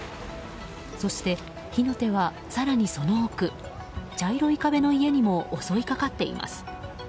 そして火の手は、更にその奥茶色い壁の家にも襲いかかっています。